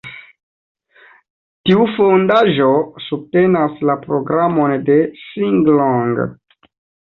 Tiu fondaĵo subtenas la programon de Singlong.